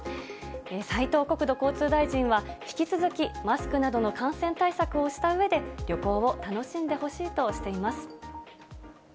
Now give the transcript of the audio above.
斉藤国土交通大臣は、引き続きマスクなどの感染対策をしたうえで、旅行を楽しんでほし